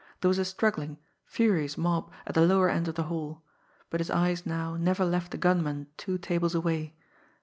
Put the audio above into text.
There was a struggling, Furious mob at the lower end of the hall but his eyes now never left the gunman two tables away.